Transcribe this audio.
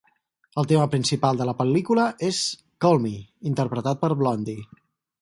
El tema principal de la pel·lícula és "Call Me" interpretat per Blondie.